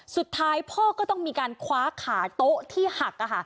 สุดท้ายพ่อก็ต้องมีการคว้าขาโต๊ะที่หัก